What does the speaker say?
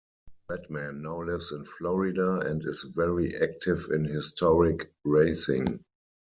Redman now lives in Florida and is very active in historic racing.